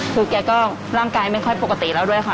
คือแกก็ร่างกายไม่ค่อยปกติแล้วด้วยค่ะ